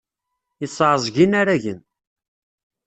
Yesseɛẓeg inaragen.